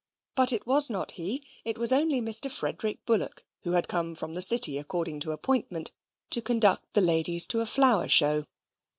But it was not he. It was only Mr. Frederick Bullock, who had come from the City according to appointment, to conduct the ladies to a flower show.